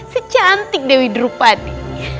secantik dewi drupadi